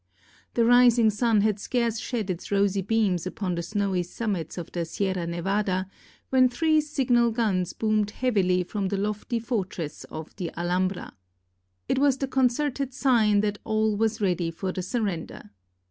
The rising sun had scarce shed his rosy beams upon the snowy summits of the Sierra Nevada, when three signal guns boomed heavily from the lofty fortress of the Alhambra. It was the concerted sign that all was ready for the surrender.